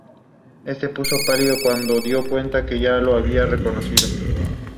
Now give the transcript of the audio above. Es sinónimo de enfermo o paciente desahuciado.